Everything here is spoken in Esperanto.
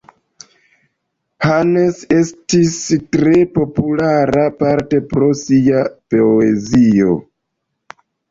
Hannes estis tre populara, parte pro sia poezio.